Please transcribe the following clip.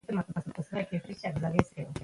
علم د وخت ارزښت انسان ته ښيي.